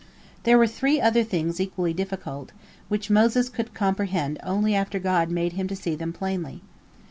There were three other things equally difficult, which Moses could comprehend only after God made him to see them plainly.